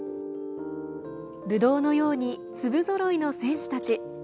ぶどうのように粒ぞろいの選手たち。